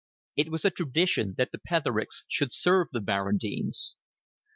It was a tradition that the Pethericks should serve the Barradines.